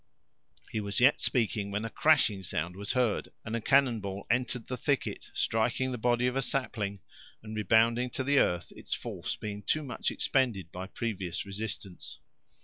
He was yet speaking, when a crashing sound was heard, and a cannon ball entered the thicket, striking the body of a sapling, and rebounding to the earth, its force being much expended by previous resistance.